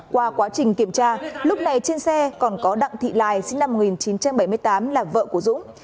qua quá trình kiểm tra lúc này trên xe còn có đặng thị lài sinh năm một nghìn chín trăm bảy mươi tám là vợ của dũng